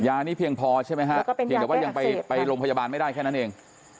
ยานี่เพียงพอใช่ไหมฮะแล้วก็เป็นยาแรกอักเสบแต่ว่ายังไปไปโรงพยาบาลไม่ได้แค่นั้นเอง